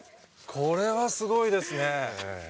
これはすごいですね。